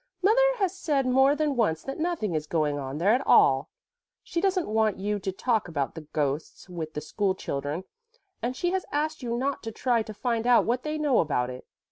"Mother has said more than once that nothing is going on there at all. She doesn't want you to talk about the ghost with the school children, and she has asked you not to try to find out what they know about it.